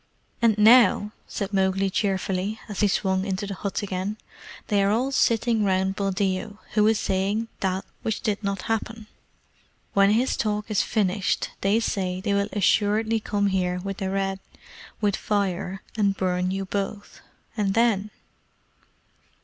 "And now," said Mowgli cheerfully, as he swung into the hut again, "they are all sitting round Buldeo, who is saying that which did not happen. When his talk is finished, they say they will assuredly come here with the Red with fire and burn you both. And then?"